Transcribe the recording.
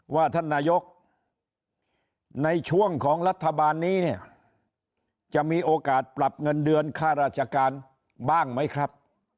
ว่าท่านนายกในช่วงของรัฐบาลนี้เนี่ยจะมีโอกาสปรับเงินเดือนค่าราชการบ้างไหมครับ